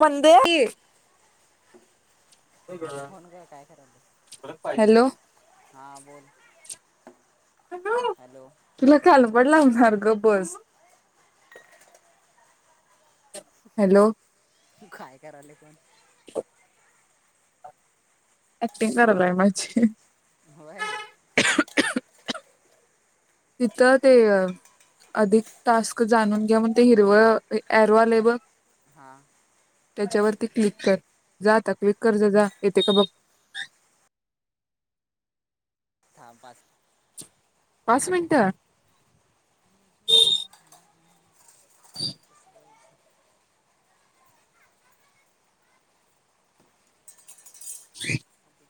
बंदय की फोन काय काय करायले हॅलो. हां बोल हॅलो [unintelligible] हॅलो. [inaudible] [unintelligible] ऍक्टिंग हॅलो करायलाय माझी होय. तिथं ते अधिक टास्क जाणून घ्या म्हणून ते हिरव ऍरो आलय बघ. हा. त्याच्यावरती क्लिक कर जा आता क्लिक कर जा येते का बघ. दहा, पाच. पाच मिनट. [unintelligible]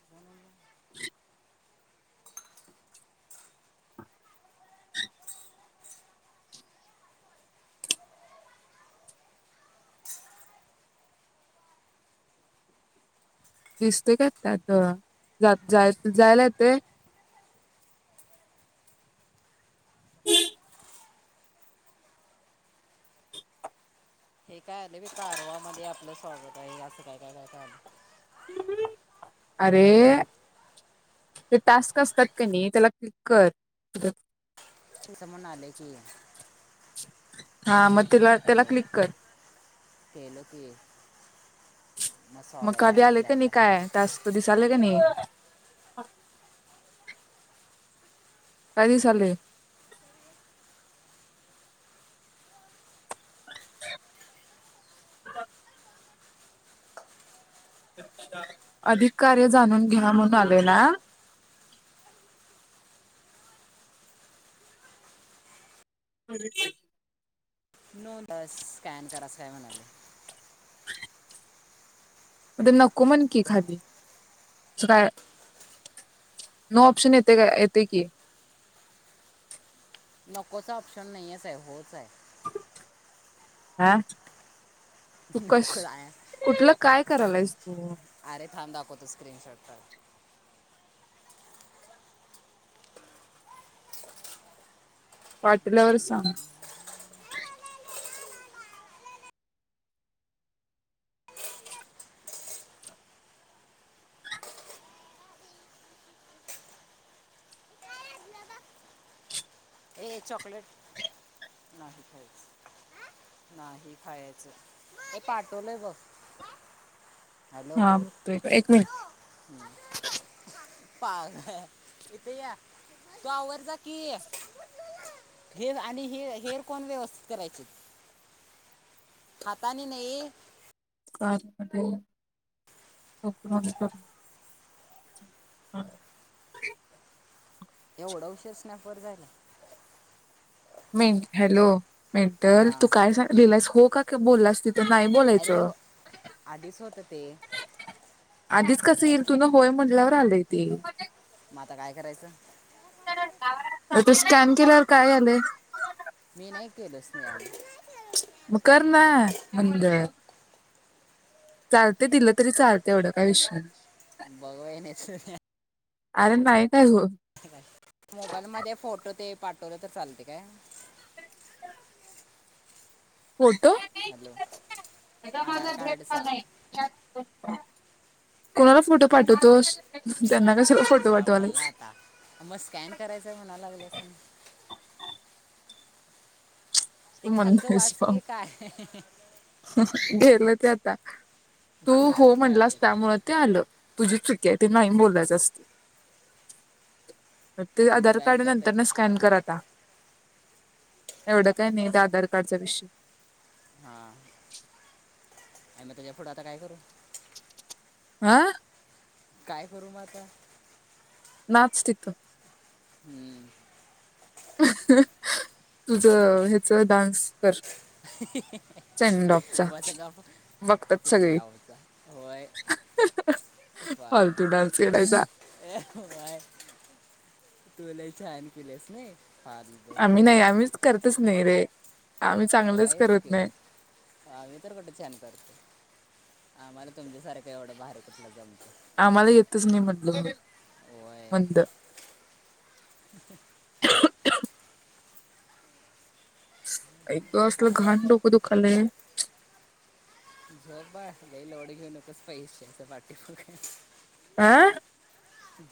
दिसतय का त्यात जात जा जाय लागतंय. [unintelligible] हे काय आलं की कारवा मध्ये आपलं स्वागत आहे अस काय काय काय आलय. अरे! ते टास्क असतात क नाही त्याला क्लिक कर. [unintelligible] आलय की. हा म त्याला त्याला हॅलो क्लिक कर. केलो की. मग स्वागत कधी आहे आले ब्लॅ की नाही ब्लॅ काय टास्क दिसायलाय की नाही. [unintelligible] काय दिसालय? [unintelligible] अधिक कार्य जाणून घ्या म्हणून आले ना. [unintelligible] नो बस स्कॅन करा अस काय म्हणाले. मग ते नको म्हण की खादी [unintelligible] नो ऑप्शन येत काय येत की नकोचा ऑप्शन नाहीेच होच आहे. अ. तू कस नको कुठल काय? करालायस तू? आरे थांब दाखवतो स्क्रीनशॉट काढून. पाठवल्यावर सांग. काढ ए चॉकलेट नाही खायच, नाही खायच हे पाठवलय बघ. हॅलो थांब तू एक मिनिट. पाघ इथ या, तु आवर जा की. हे आणि हे हेअर कोण व्यवस्थित करायचे? हताने नइ कारमध्ये [unintelligible] [inaudible] एवढा उशीर स्नॅप वर जायला. मी हॅलो. मेंटल तू हा काय झाली [unintelligible] हो का क बोलासतीत. अरे हो आधिच होत ते. आधीच कस येईल तुन होय म्हणल्यावर आलय ते. मग आता काय करायच? अ तू स्कॅन केल्यावर काय आलय? मी नाही केलोच नाही आणि म कर ना मंद. चालते तीला तरी चालते एवढा काय विषय बघ अरे नाही काय होत. पाठवल तर चालते काय? फोटो [inaudible] हॅलो आधार कार्डचा कोणाला फोटो पाठवतोस? त्यांना कशाला फोटो अ बघा पाठवालायस आता म स्कॅन करायच आहे म्हणा लागल्यास आणि. ते तू खालच म्हणतोयस वाचकी काय गेल ते आता. तू हो आता म्हणलास ऐकत त्यामुळ ते आल तुझी चु क्या ते नाइ बोलायच असत ते मग आधार बॅग कार्ड जात नंतर आहेत ना स्कॅन कर आता. एवढ काय नाइ त्या आधार कार्डचा विषय. हा नाइ म त्याच्या पुढ आता काय करू? आ काय करू म आता? नाच तिथं. हम्म. तुझ हेच डान्स कर. सेंड ऑफचा बस गप बघतात सगळी केडाऊचा होय, होय, फालतू डान्स करायचा होय. तू लई छान केिल्यास नाई. आम्ही नाय आम्ही करतच नाय रे. आम्ही चांगलंच होयच करत की नाही आम्ही तर कुठं छान करतोय आम्हाला तुमच्यासारखं एवढं भारी कुठलं जम आम्हाला येतच नाइ मी म्हटलं. होय मंद [unintelligible] आई ग असलं घाण डोक दुखायल. झोप बाळ लई लोड घेऊ नकोस पैशाचा पाटी माग आ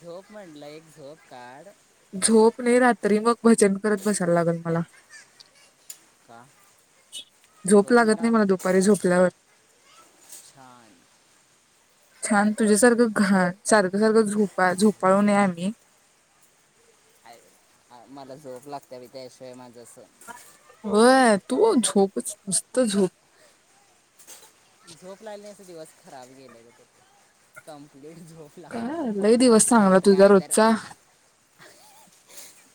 झोप म्हटलं एक झोप काढ. झोप नाय रात्री मग भजन करत बसायला लागल मला. का? झोप लागत नाइ मला दुपारी झोपल्यावर. छान. छान तुझ्यासारखं घाण सारखं, सारखं झोपा झोप पळू ने आम्ही? हाय मला झोप लागत्या बई त्याशिवाय माझ अस होय तू झोपच नुस्त झोप. झोप लागली नाय अस दिवस खराब गेलेत. काय लई दिवस चांगला तुझ्या काय तर रोजचा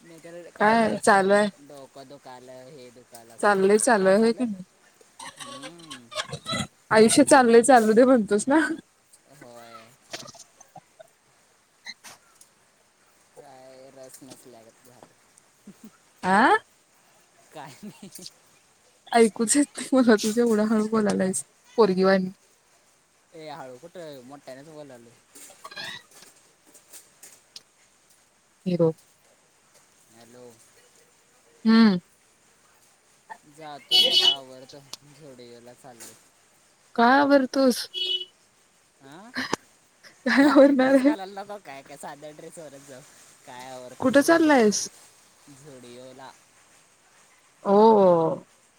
म तर काय तर अस चालू आहे डोक दुका लर हे धर ला चाललंय चालू काय आहे होय की चालुय? नाही. हम्म आयुष्य चाललंय चालू दे म्हणतोस ना. होय. काय रस नसल्याग झालं. आह. काही नाही. शिकू ेवढा हळू बला. [unintelligible] ए हळू कुठे मोठ्यानेच बोलाल. Hero hello. हम्म. जा तु्ीही आता आवरडत. झोडे [inaudible] चालले. काय आवरतोस. आ काय अरे आवरणार ड्रेस आहे. घालायला लावतात काय. काय साध्या ड्रेस तरच जाऊ. काय आवरतेस कुठं ग? चाललायस झुडीओला. हो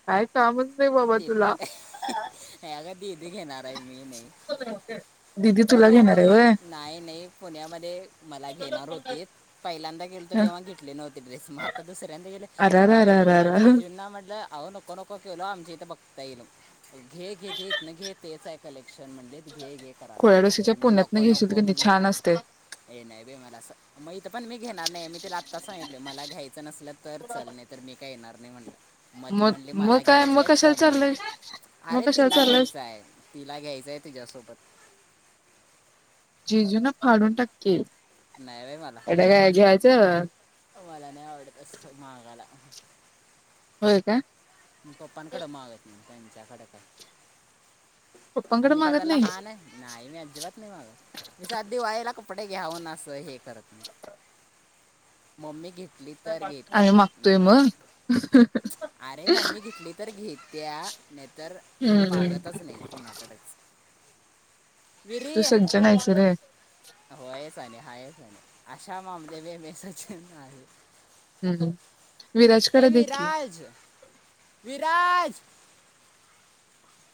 काय कामच नाही बाबा ते. तुला. नाही अगं ते ते ते घेणार. नाही मी नाही. दिदी तुला घेणार आहे पुण्यामध्ये. व्हय? नाही नाही पुण्यामध्ये मला घेणार होते पहिल्यांदा गेलतो तेव्हा घेतले नव्हते ड्रेस. मग आता दुसऱ्यांदा गेले अर अर तेव्हा अर अर घेतले. मग अर जिजूंना म्हटलं अहो नको नको केलो आमची ताईन. घे घे घे इतन घे तेच आहे कलेक्शन म्हणलेत. घे घे कराल. कोळ्याडोशीच्या मी पुण्यातन नको घेशील नको कणी म्हणले. छान असतय. हे नाही बे मला मग तर पण मी घेणार नाही मी तिला आत्ता स मला घ्यायचं नसलं. तर चाल नाही तर मी काही येणार नाही. मी म्हटलं मग मग काय मग कशा म्हटलं अरे तिला घ्यायचंय तिला घ्यायचंय तुझ्यासोबत. जिजू ना फाडून टाकिल. नाही बे मला [unintelligible] मला नाही आवडत अस मागाला काय काय मी पप्पांकड मागत पंचाखडका पप्पांकडे आमी काय मागत आता नाहीस लहान आहे. नाही मी अजिबात नाही मागत. मी साध दिवाळीला कप कपडे घ्या म्हणून अस हे करत नाही. मम्मी घेती आय मागतोय मग. अरे नाही मम्मी दिसली तर घेत्या नाही तरर मी हम्म मागतच नाही कोणाकडच. तू सज्ज नाहीस रे. हायच, अशा मामले मे सजन हाय. हम, विराज कर दे की विराज विराज.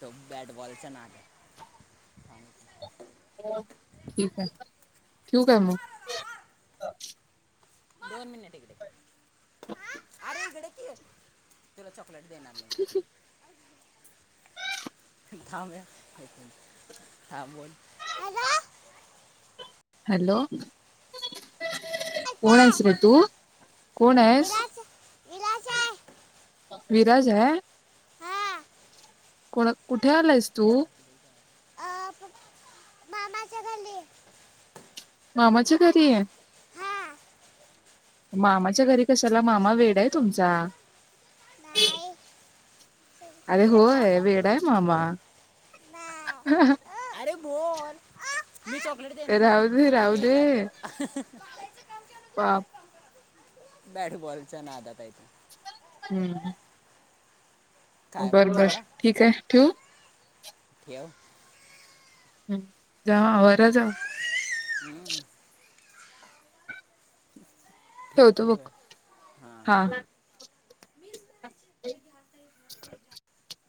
तो बॅट बॉलच्या नादी मग ठीक आहे, ठेवू काय मग. दोन मिनिट इकडे ये [inaudible] [inaudible] थांब हा बोल हॅलो. हॅलो कोण काय आहेस ग तू. कोण आहेस. विलास विलास आहे विराज है. हा कोण, कुठे आलायस. तू. चॉकलेट अ पप मामाच्या घरी. मामाच्या घरी हे, हा मामाच्या घरी कशाला मामा वेड आहे तुमचा, नाही अरे हो. ए थांब अ की वेडा आहे मामा बोल ह ह. नाही अरे बोल मी चॉकलेट देणार न, गेला तो. बाप बॅट बॉलच्या नादात हाय. हम, काय बर-बर म्हणला ठीक आहे, ठू. ठेव. हम जा वर जा. हम्म, [inaudible] ठेव ठेवतो की ग बग, हां हा. [unintelligible]